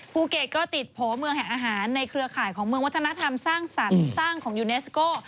ภูเก็ตก็ติดโผล่เมืองแห่งอาหารในเครือข่ายของเมืองวัฒนธรรมสร้างสรรค์สร้างของยูเนสโก้